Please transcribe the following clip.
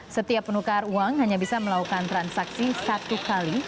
setiap penukar uang hanya bisa melakukan transaksi satu kali